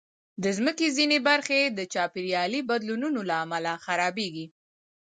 د مځکې ځینې برخې د چاپېریالي بدلونونو له امله خرابېږي.